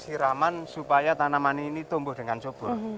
untuk kemarau memberi siraman supaya tanaman ini tumbuh dengan subur